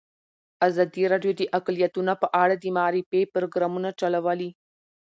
ازادي راډیو د اقلیتونه په اړه د معارفې پروګرامونه چلولي.